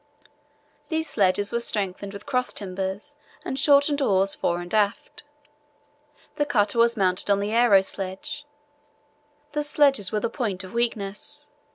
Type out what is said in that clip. These sledges were strengthened with cross timbers and shortened oars fore and aft. The cutter was mounted on the aero sledge. The sledges were the point of weakness.